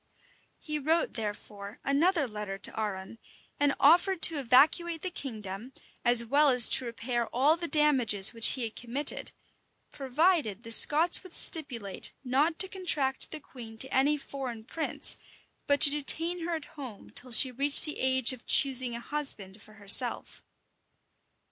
He wrote, therefore, another letter to Arran; and offered to evacuate the kingdom, as well as to repair all the damages which he had committed, provided the Scots would stipulate not to contract the queen to any foreign prince, but to detain her at home till she reached the age of choosing a husband for herself.